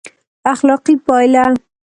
اخلاقي پایله: